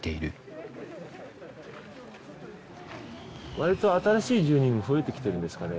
割と新しい住人も増えてきてるんですかね？